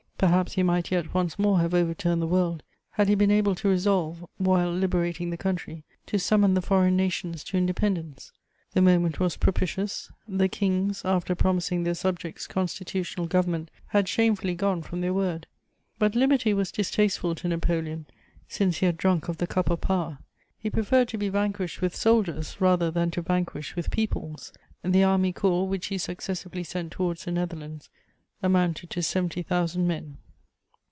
Perhaps he might yet once more have overturned the world, had he been able to resolve, while liberating the country, to summon the foreign nations to independence. The moment was propitious: the kings, after promising their subjects constitutional government, had shamefully gone from their word. But liberty was distasteful to Napoleon, since he had drunk of the cup of power; he preferred to be vanquished with soldiers rather than to vanquish with peoples. The army corps which he successively sent towards the Netherlands amounted to seventy thousand men.